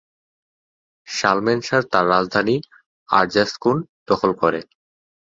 শালমেনসার তার রাজধানী আরজাশকুন দখল করেন।